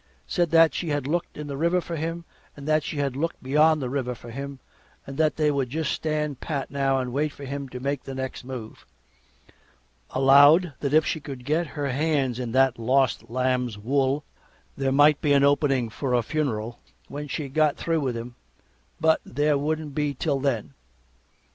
Said that they had looked in the river for him and that she had looked beyond the river for him, and that they would just stand pat now and wait for him to make the next move. Allowed that if she could once get her hands in "that lost lamb's" wool there might be an opening for a funeral when she got through with him, but there wouldn't be till then.